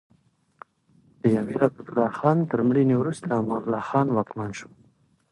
د امیر حبیب الله خان تر مړینې وروسته امان الله خان واکمن شو.